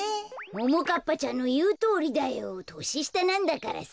ももかっぱちゃんのいうとおりだよ。とししたなんだからさ。